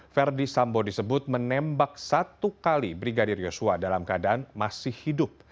verdi sambo disebut menembak satu kali brigadir yosua dalam keadaan masih hidup